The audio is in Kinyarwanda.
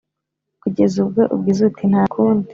Kugeza ubwo ugize uti « ntakundi, »